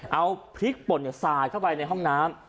เอาพริกป่นสาดเข้าไปในห้องน้ำ